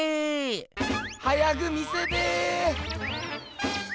早く見せて！